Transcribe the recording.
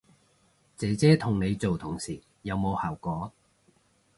姐姐同你做同事有冇效果